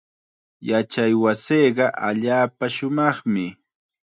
Yachaywasiiqa allaapa shumaqmi.